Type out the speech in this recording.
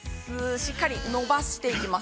しっかり伸ばしていきます。